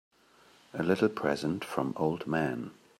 A little present from old man.